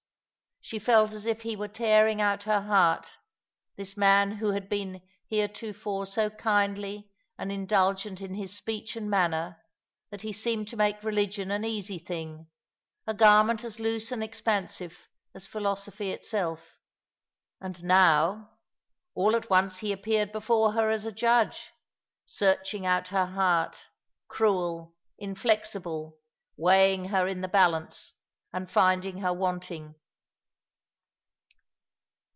She felt as if he were tearing out her heart, this man who had been heretofore so kindly and indulgent in his speech and manner that he seemed to make religion an easy thing, a garment as loose and expansive as philosophy itself. And, now, all at once he appeared before her as a judge, searching out her heart, cruel, inflexible, weighing her in the balance, and finding her wanting.